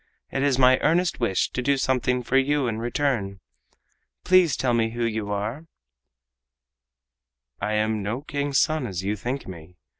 It is my earnest wish to do something for you in return. Please tell me who you are?" "I am no King's son as you think me.